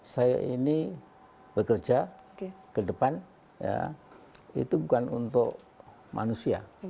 saya ini bekerja ke depan itu bukan untuk manusia